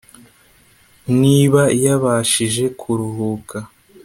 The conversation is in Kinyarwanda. niba yabashije kuruhuka,